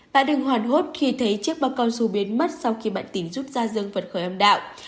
bạn đừng hoàn hốt khi thấy chiếc bác con su biến mất sau khi bạn tìm giúp gia dương vật khỏi âm đạo